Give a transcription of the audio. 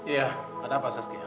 iya ada apa saskiya